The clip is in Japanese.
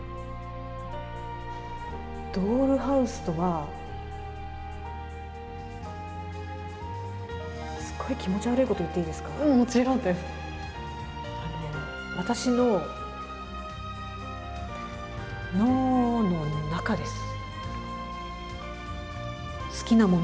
ドールハウスとはすごい気持ち悪いこと言っていいですか私の脳の中です。